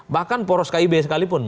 bahkan poros kib sekalipun